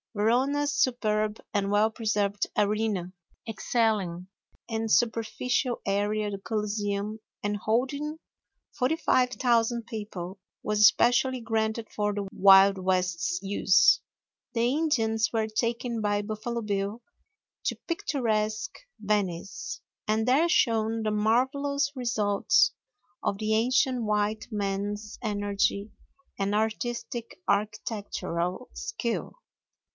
Verona's superb and well preserved Arena, excelling in superficial area the Coliseum and holding 45,000 people, was especially granted for the Wild West's use. The Indians were taken by Buffalo Bill to picturesque Venice, and there shown the marvelous results of the ancient white man's energy and artistic architectural skill.